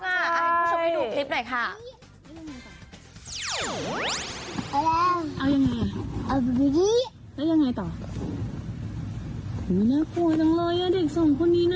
ชมให้ดูคลิปหน่อยค่ะ